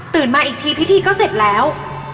มาอีกทีพิธีก็เสร็จแล้ว